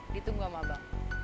ditunggu sama abang